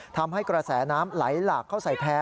ทำให้กระแสน้ำไหลหลากเข้าใส่แพ้